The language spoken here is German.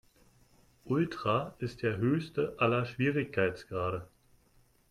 Ultra ist der höchste aller Schwierigkeitsgrade.